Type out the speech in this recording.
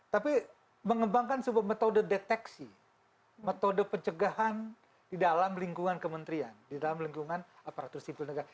tapi mengembangkan sebuah metode deteksi metode pencegahan di dalam lingkungan kementerian di dalam lingkungan aparatur sipil negara